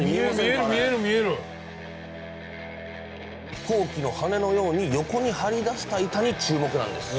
ヒコーキの羽のように横に張り出した板に注目なんです！